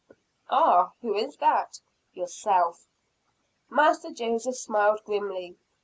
"Ah, who is that?" "Yourself." Master Joseph smiled grimly.